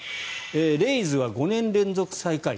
レイズは５年連続最下位。